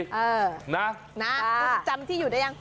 เออนะคุณจำที่อยู่ได้ยัง